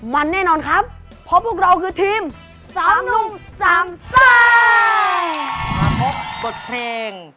มาพบบทเพลง